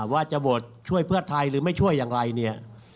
ว่าจะโหวตช่วยเพื่อไทยหรือไม่ช่วยอย่างไรเนี่ย